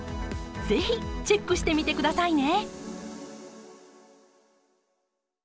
是非チェックしてみてくださいね！